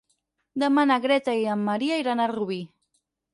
Demà na Greta i en Maria iran a Rubí.